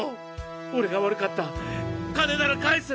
俺が悪かった金なら返す！